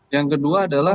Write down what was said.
yang kedua adalah